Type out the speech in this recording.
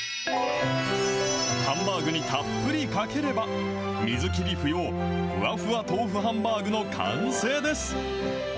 ハンバーグにたっぷりかければ、水切り不要、ふわふわ豆腐ハンバーグの完成です。